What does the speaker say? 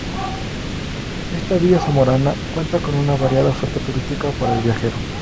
Esta villa zamorana cuenta con una variada oferta turística para el viajero.